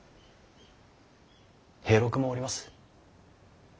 平六もおります。